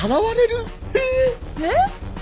えっ？